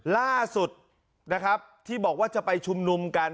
ล่าสุดนะครับที่บอกว่าจะไปชุมนุมกัน